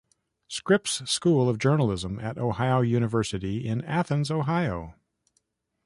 Scripps School of Journalism at Ohio University in Athens, Ohio.